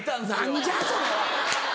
何じゃそれは！